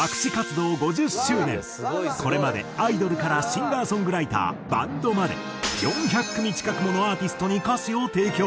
これまでアイドルからシンガーソングライターバンドまで４００組近くものアーティストに歌詞を提供。